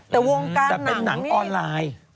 แต่เป็นหนังออนไลน์